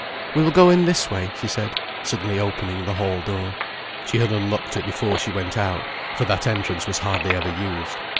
"We will go in this way," she said, suddenly opening the hall door. She had unlocked it before she went out, for that entrance was hardly ever used.